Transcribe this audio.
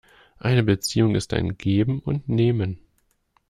Eine Beziehung ist ein Geben und Nehmen.